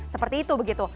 seperti itu begitu